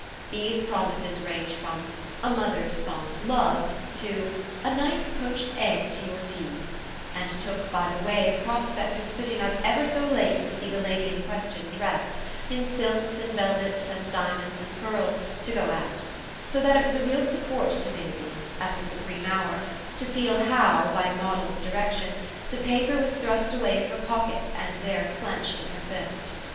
These promises ranged from "a mother's fond love" to "a nice poached egg to your tea," and took by the way the prospect of sitting up ever so late to see the lady in question dressed, in silks and velvets and diamonds and pearls, to go out: so that it was a real support to Maisie, at the supreme hour, to feel how, by Moddle's direction, the paper was thrust away in her pocket and there clenched in her fist.